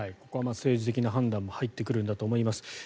ここは政治的な判断も入ってくるんだと思います。